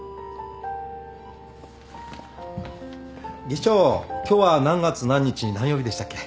技師長今日は何月何日何曜日でしたっけ？